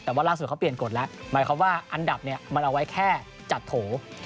แต่ว่าล่าสุดเขาเปลี่ยนกฎแล้วหมายความว่าอันดับเนี่ยมันเอาไว้แค่จัดโถ